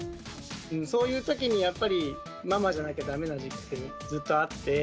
そういうときにやっぱりママじゃなきゃダメな時期ってずっとあって。